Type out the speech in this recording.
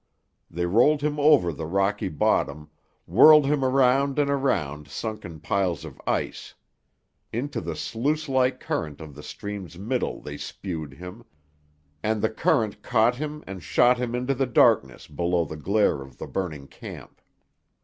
They rolled him over the rocky bottom, whirled him around and around sunken piles of ice. Into the sluice like current of the stream's middle they spewed him, and the current caught him and shot him into the darkness below the glare of the burning camp.